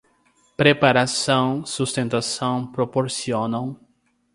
preparação, sustentação, proporcionam